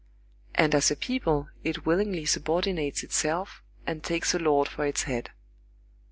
And as a people, it willingly subordinates itself and takes a lord for its head.